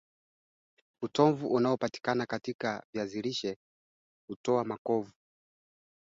Makovu na mipasuko kwenye ngozi huku majeraha yakiendelea kupona